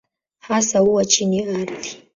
Hasa huwa chini ya ardhi.